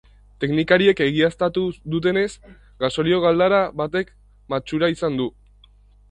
Teknikariek egiaztatu dutenez, gasolio galdara batek matxura izan du.